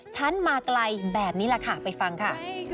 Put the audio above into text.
ฉันมาไกลแบบนี้แหละค่ะไปฟังค่ะ